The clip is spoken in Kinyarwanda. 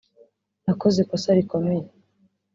“Nakoze ikosa rikomeye